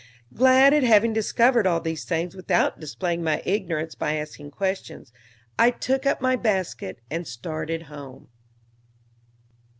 Glad at having discovered all these things without displaying my ignorance by asking questions, I took up my basket and started home.